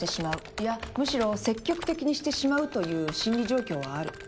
いやむしろ積極的にしてしまうという心理状況はある。